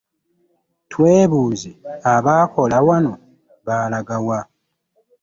Twebuuze abaakola wano baalaga wa?